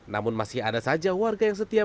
namun masih ada saja warga yang setia